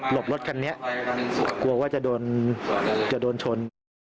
หลบรถคันนี้กลัวว่าจะโดนชน